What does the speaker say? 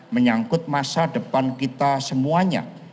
menyangkut masa depan kita semuanya